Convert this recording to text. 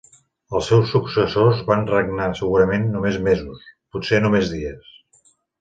Els seus successors van regnar segurament només mesos, potser només dies.